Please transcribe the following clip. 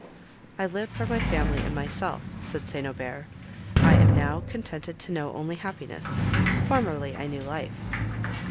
"I live for my family and myself," said St. Aubert; "I am now contented to know only happiness;—formerly I knew life."